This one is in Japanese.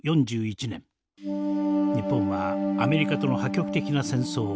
日本はアメリカとの破局的な戦争